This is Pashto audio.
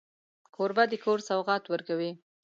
کوربه د کور سوغات ورکوي.